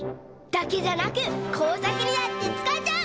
だけじゃなくこうさくにだってつかえちゃう！